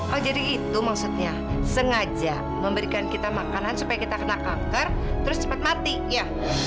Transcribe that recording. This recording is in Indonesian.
oh jadi itu maksudnya sengaja memberikan kita makanan supaya kita kena kanker terus cepat mati ya